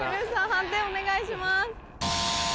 判定お願いします。